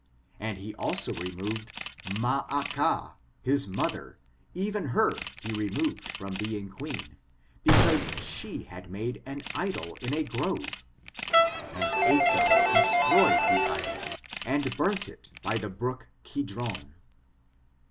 And he also removed Maacha^ his mother, even her he removed from being queen, becatise she had made an idol in a grove ; and Asa destroyed the idol, and burnt it by the brook Kidron."